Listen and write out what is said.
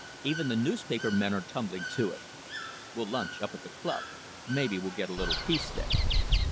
Even the newspaper men are tumbling to it. We'll lunch up at the club. Maybe we'll get a little peace there."